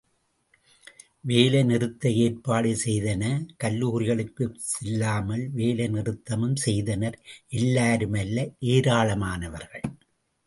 வேலை நிறுத்த ஏற்பாடு செய்தன கல்லூரிகளுக்குச் செல்லாமல், வேலை நிறுத்தமும் செய்தனர் எல்லாரும் அல்ல ஏராளமானவர்கள்.